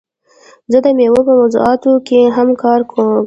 زه د میوو په موضوعاتو کې هم کار کړی.